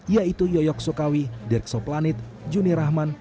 yaitu yoyok sukawi dirk soplanit juni rahman